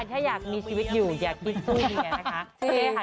ถ้าอยากมีชีวิตอยู่อยากทิ้งสู้อย่างนี้ไงนะคะ